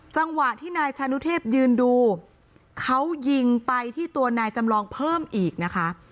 จังหวะที่นายชานุเทพยืนดูเขายิงไปที่ตัวนายจำลองเพิ่มอีกนะคะ